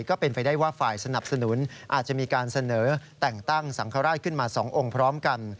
ก็เป็นไปได้ว่าฝ่ายสนับสนุนอาจจะมีการเสนอแต่งตั้งสังฆราชขึ้นมา๒องค์พร้อมกัน